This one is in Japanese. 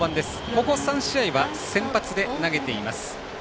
ここ３試合は先発で投げています。